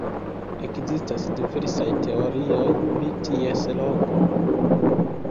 Ekzistas diversaj teorioj pri ties loko.